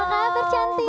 apa kabar cantik